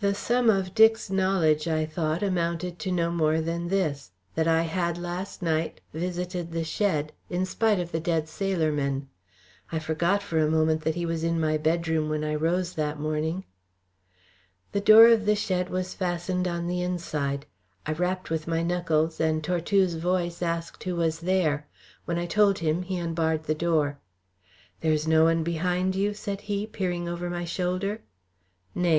The sum of Dick's knowledge, I thought, amounted to no more than this that I had last night visited the shed, in spite of the dead sailor men. I forgot for the moment that he was in my bedroom when I rose that morning. The door of the shed was fastened on the inside; I rapped with my knuckles, and Tortue's voice asked who was there. When I told him, he unbarred the door. "There is no one behind you?" said he, peering over my shoulder. "Nay!